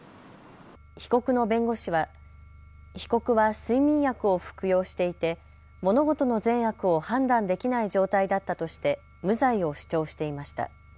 被告の弁護士は被告は睡眠薬を服用していて物事の善悪を判断できない状態だったとして無罪を主張していました。